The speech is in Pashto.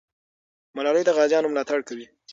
ملالۍ د غازیانو ملاتړ کوي.